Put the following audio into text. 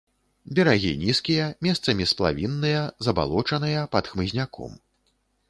Берагі нізкія, месцамі сплавінныя, забалочаныя, пад хмызняком.